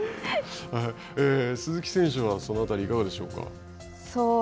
鈴木選手はそのあたり、いかがでしょうか。